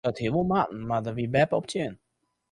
Dat hie wol moatten mar dêr wie beppe op tsjin.